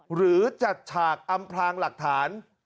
หรือจัดฉากอำพลางหลักฐาน